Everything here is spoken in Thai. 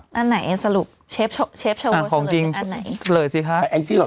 อ่าอันไหนสรุปเชฟเชฟชะโว่ของจริงอันไหนไปเกิดสิค่ะ